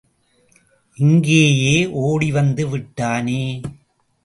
இங்கேயே ஓடிவந்து விட்டானே!